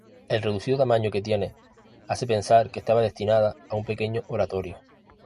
El reducido tamaño que tiene hace pensar que estaba destinada a un pequeño oratorio.